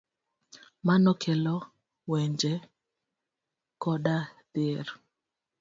Mano kelo lwenje koda dhier